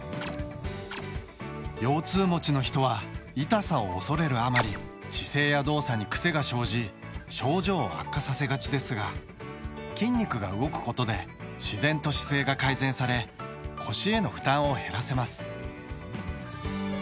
腰痛もちの人は痛さを恐れるあまり姿勢や動作に癖が生じ症状を悪化させがちですが筋肉が動くことで自然と姿勢が改善され腰への負担を減らせます。